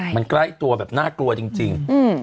มันใกล้ตัวแบบน่ากลัวจริง